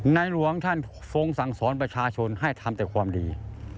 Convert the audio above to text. หลวงท่านทรงสั่งสอนประชาชนให้ทำแต่ความดี